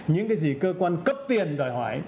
những cái gì cơ quan cấp tiền đòi hỏi